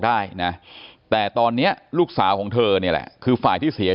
ได้นะแต่ตอนนี้ลูกสาวของเธอเนี่ยแหละคือฝ่ายที่เสีย